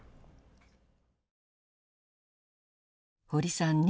堀さん